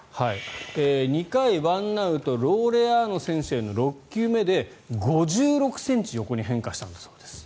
２回１アウトローレアーノ選手への６球目で５６ｃｍ横に変化したんだそうです。